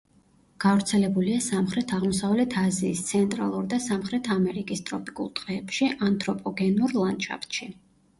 გავრცელებულია სამხრეთ-აღმოსავლეთ აზიის, ცენტრალურ და სამხრეთ ამერიკის ტროპიკულ ტყეებში, ანთროპოგენურ ლანდშაფტში.